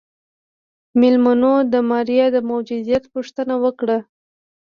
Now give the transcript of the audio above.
مېلمنو د ماريا د موجوديت پوښتنه وکړه.